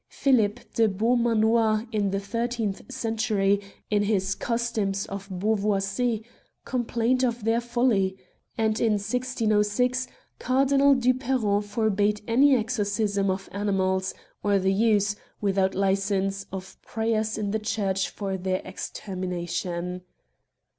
Philip de Beau manoir in the thirteenth century, in his Customs of BeauvoisiSy complained of their folly; and in i6o6,\ Cardinal Duperron forbade any exorcism of animals, or the use, without license, of prayers in church for their extermination.